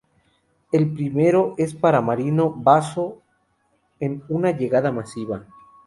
El primero es para Marino Basso en una llegada masiva.